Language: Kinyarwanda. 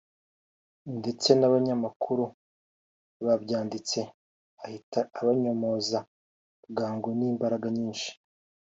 ndetse n’abanyamakuru babyanditse ahita abanyomoza bwangu n’imbaraga nyinshi